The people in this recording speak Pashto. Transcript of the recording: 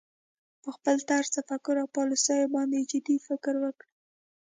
په خپل طرز تفکر او پالیسیو باندې جدي فکر وکړي